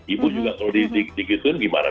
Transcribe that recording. ibu juga kalau dikituin gimana